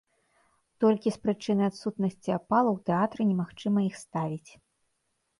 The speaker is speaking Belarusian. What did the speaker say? Толькі з прычыны адсутнасці апалу ў тэатры немагчыма іх ставіць.